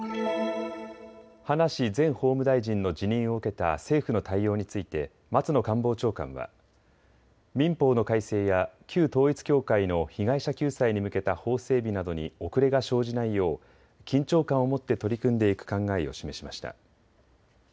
葉梨前法務大臣の辞任を受けた政府の対応について松野官房長官は民法の改正や旧統一教会の被害者救済に向けた法整備などに遅れが生じないよう緊張感を持って取り組んでいく考えを示しました。